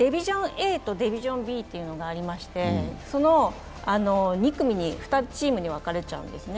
ＡとデビジョンＢとありまして、その２チームに分かれちゃうんですね。